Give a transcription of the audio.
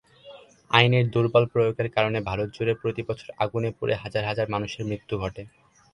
আইনের দুর্বল প্রয়োগের কারণে ভারত জুড়ে প্রতি বছর আগুনে পুড়ে হাজার হাজার মানুষের মৃত্যু ঘটে।